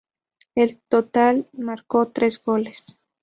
En total marcó tres goles